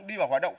đi vào hoạt động